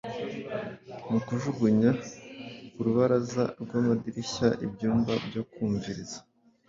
mu kujugunya ku rubaraza rw'amadirishya ibyuma byo kumviriza